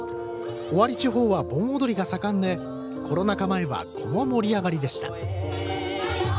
尾張地方は、盆踊りが盛んでコロナ禍前はこの盛り上がりでした。